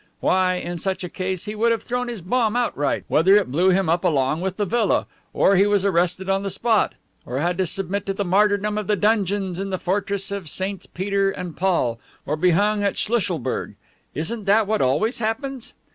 Why, in such a case, he would have thrown his bomb outright, whether it blew him up along with the villa, or he was arrested on the spot, or had to submit to the martyrdom of the dungeons in the Fortress of SS. Peter and Paul, or be hung at Schlusselburg. Isn't that what always happens?